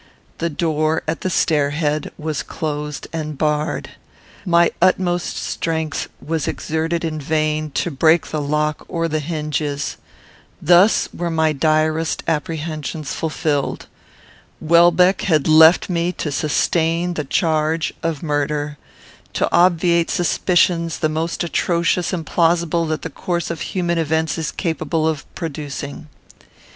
The door at the stair head was closed and barred. My utmost strength was exerted in vain, to break the lock or the hinges. Thus were my direst apprehensions fulfilled. Welbeck had left me to sustain the charge of murder; to obviate suspicions the most atrocious and plausible that the course of human events is capable of producing.